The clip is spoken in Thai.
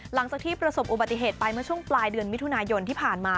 หลังจากที่ประสบอุบัติเหตุไปเมื่อช่วงปลายเดือนมิถุนายนที่ผ่านมา